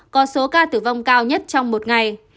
có số ca tử vong cao nhất trong một ngày